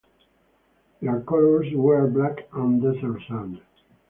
Their colours were black and desert sand.